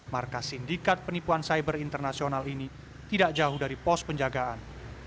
markas sindikat penipuan cyber internasional ini tidak jauh dari pos penjagaan